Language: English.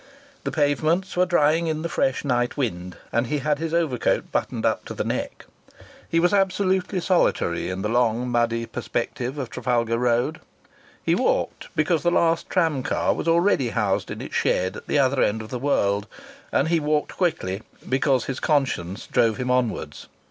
The pavements were drying in the fresh night wind and he had his overcoat buttoned up to the neck. He was absolutely solitary in the long, muddy perspective of Trafalgar Road. He walked because the last tram car was already housed in its shed at the other end of the world, and he walked quickly because his conscience drove him onwards.